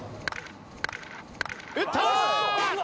打った！